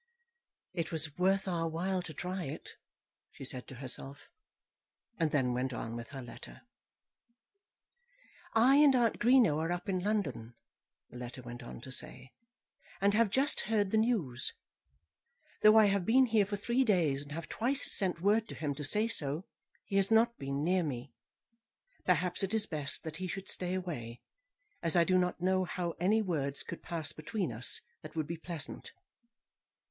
"It was worth our while to try it," she said to herself, and then went on with her letter. "I and Aunt Greenow are up in London," the letter went on to say, "and have just heard the news. Though I have been here for three days, and have twice sent word to him to say so, he has not been near me. Perhaps it is best that he should stay away, as I do not know how any words could pass between us that would be pleasant.